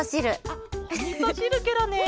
あっおみそしるケロね。